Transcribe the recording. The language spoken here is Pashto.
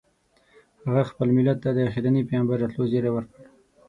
هغه خپل ملت ته د اخرني پیغمبر راتلو زیری ورکړ.